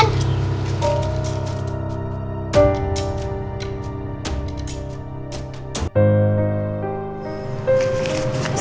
semakin aku puas